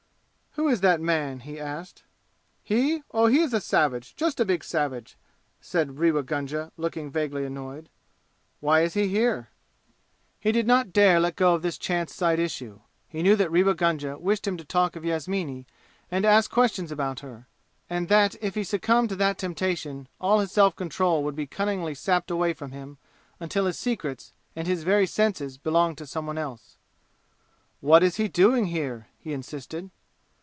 "Who is that man?" he asked. "He? Oh, he is a savage just a big savage," said Rewa Gunga, looking vaguely annoyed. "Why is he here?" He did not dare let go of this chance side issue. He knew that Rewa Gunga wished him to talk of Yasmini and to ask questions about her, and that if he succumbed to that temptation all his self control would be cunningly sapped away from him until his secrets, and his very senses, belonged to some one else. "What is he doing here?" he insisted.